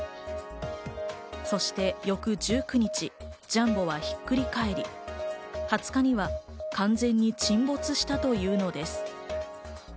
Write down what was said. そして翌１９日、ジャンボはひっくり返り、２０日には完全に沈没したというのです。